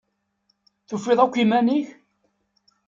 Tufiḍ akk iman-im?